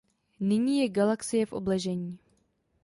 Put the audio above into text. Nyní je galaxie v obležení.